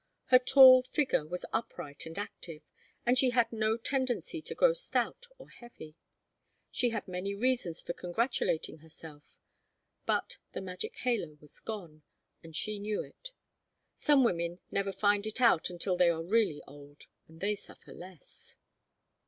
Her tall figure was upright and active, and she had no tendency to grow stout or heavy. She had many reasons for congratulating herself, but the magic halo was gone, and she knew it. Some women never find it out until they are really old, and they suffer less.